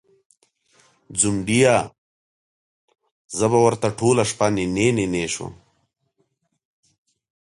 ځونډیه! زه به ورته ټوله شپه نینې نینې شوم